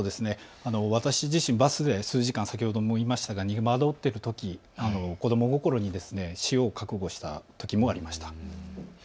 私自身、バスで数時間に逃げ惑っているとき子ども心に死を覚悟したときもありました。